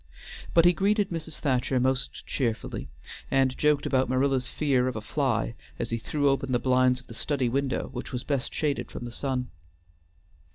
But he greeted Mrs. Thacher most cheerfully, and joked about Marilla's fear of a fly, as he threw open the blinds of the study window which was best shaded from the sun.